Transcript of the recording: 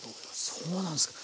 そうなんですか。